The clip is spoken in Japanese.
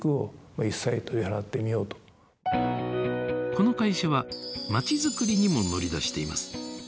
この会社はまちづくりにも乗り出しています。